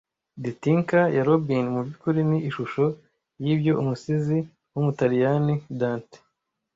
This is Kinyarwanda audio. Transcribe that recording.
The Thinker ya Rodin mubyukuri ni ishusho yibyo umusizi wumutaliyani Dante